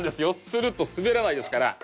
スルッと滑らないですから。